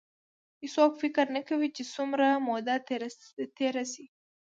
هېڅوک فکر نه کوي چې څومره موده تېره شي.